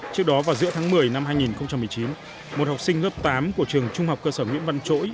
trước đó vào giữa tháng một mươi năm hai nghìn một mươi chín một học sinh lớp tám của trường trung học cơ sở nguyễn văn chỗi